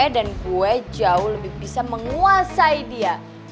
dan gue jauh lebih bisa menguasai dia